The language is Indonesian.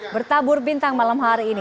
bertabur bintang malam hari ini